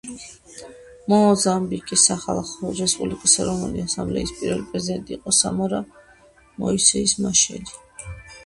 მოზამბიკის სახალხო რესპუბლიკის ეროვნული ასამბლეის პირველი პრეზიდენტი იყო სამორა მოისეს მაშელი.